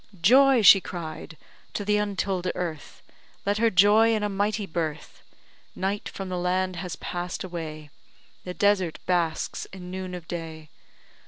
"Joy," she cried, "to th' untill'd earth, Let her joy in a mighty birth, Night from the land has pass'd away, The desert basks in noon of day.